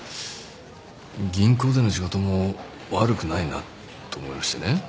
銀行での仕事も悪くないなと思いましてね。